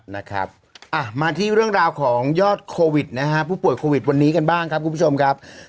นะครับอ่ะมาที่เรื่องราวของยอดโควิดนะฮะผู้ป่วยโควิดวันนี้กันบ้างครับคุณผู้ชมครับ